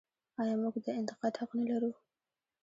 آیا موږ د انتقاد حق نلرو؟